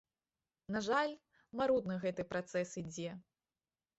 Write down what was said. На жаль, марудна гэты працэс ідзе.